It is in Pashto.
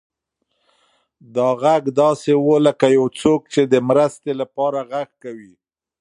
دا غږ داسې و لکه یو څوک چې د مرستې لپاره غږ کوي.